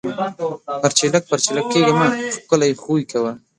پَرچېلک پَرچېلک کېږه مه! ښکلے خوئې کوه۔